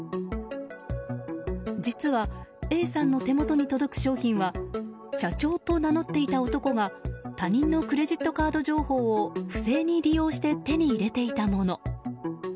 実は、Ａさんの手元に届く商品は社長と名乗っていた男が他人のクレジットカード情報を不正に利用して手に入れていたもの。